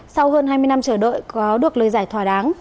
sau hơn hai mươi năm chờ đợi có được lời giải thỏa đáng